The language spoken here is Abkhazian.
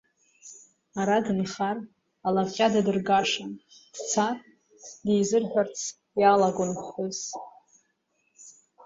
Ара дынхар алапҟьа дадыргашан, дцар дизырҳәарц иалагон ԥҳәыс.